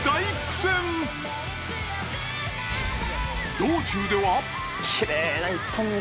道中では。